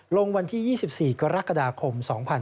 ลงวันที่๒๔กรกฎาคม๒๕๖๒